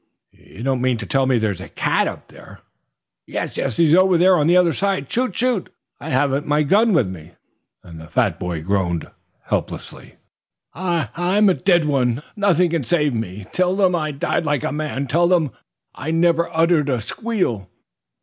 "You don't mean to tell me there's a cat up there " "Yes, yes! He's over there on the other side. Shoot, shoot!" "I haven't my gun with me." The fat boy groaned helplessly. "I'm a dead one! Nothing can save me. Tell them I died like a man; tell them I never uttered a squeal."